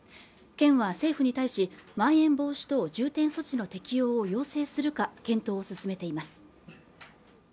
県は政府に対しまん延防止等重点措置の適用を要請するか検討を進めています